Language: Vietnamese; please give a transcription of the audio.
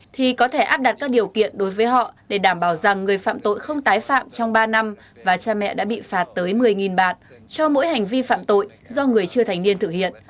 thì có thể áp đặt các điều kiện đối với họ để đảm bảo rằng người phạm tội không tái phạm trong ba năm và cha mẹ đã bị phạt tới một mươi bạt cho mỗi hành vi phạm tội do người chưa thành niên thực hiện